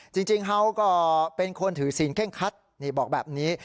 จริงเขาก็เป็นคนถือศีลเข้งคัดนี่บอกแบบนี้